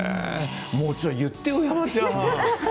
もう言ってよ、山ちゃん。